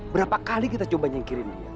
berapa kali kita coba nyingkirin dia